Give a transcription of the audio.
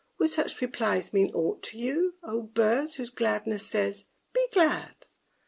Would such replies mean aught to you, O birds, whose gladness says, Be glad?